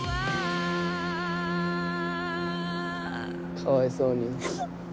かわいそうに。